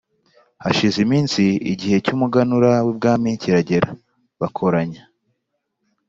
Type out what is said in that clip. Hashize iminsi, igihe cy’umuganura w’ibwami kiragera. Bakoranya